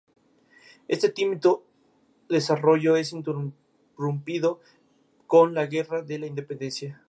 Este tímido desarrollo es interrumpido con la Guerra de la Independencia.